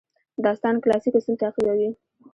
داستان کلاسیک اصول تعقیبوي.